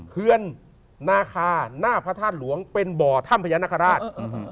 เคือนนาคาหน้าพระธาตุหลวงเป็นบ่อถ้ำพญานาคาราช